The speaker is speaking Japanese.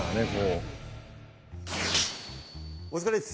お疲れっす！